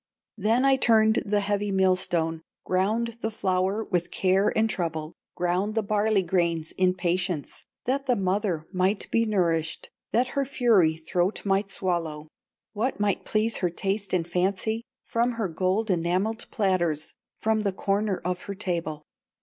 "Then I turned the heavy millstone, Ground the flour with care and trouble, Ground the barley grains in patience, That the mother might be nourished, That her fury throat might swallow What might please her taste and fancy, From her gold enamelled platters, From the corner of her table.